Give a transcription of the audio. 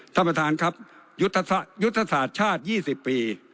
ท่านประธานครับยุทธศาสตร์ชาติ๒๐ปี